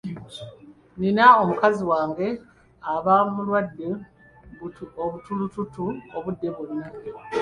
Nina mukazi wange aba mulwadde obutulututtu obudde bwonna.